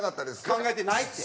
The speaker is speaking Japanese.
考えてないって。